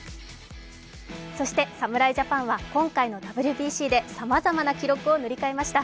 そして、侍ジャパンは今回のＷＢＣでさまざまな記録を塗り替えました。